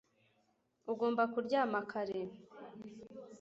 Ugomba kuryama kare